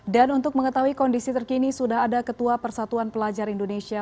dan untuk mengetahui kondisi terkini sudah ada ketua persatuan pelajar indonesia